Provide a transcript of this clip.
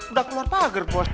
udah keluar pagar bos